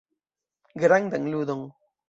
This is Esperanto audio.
Grandan ludon.